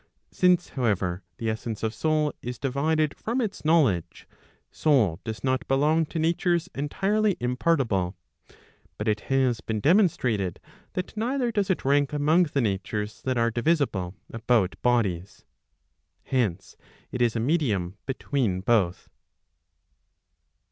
Since however, the essence of soul is divided from its knowledge, soul does not belong to patures [entirely] impartible. But it has been demonstrated that neither does it rank among the natures that are divisible about bodies. Hence, it is a medium between both.